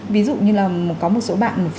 ví dụ như là có một số bạn